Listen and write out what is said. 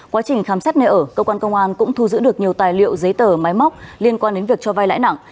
quá trình khám xét nơi ở cơ quan công an cũng thu giữ được nhiều tài liệu giấy tờ máy móc liên quan đến việc cho vai lãi nặng